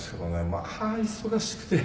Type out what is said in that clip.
まあ忙しくて。